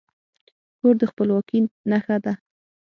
کور د خپلواکي نښه ده.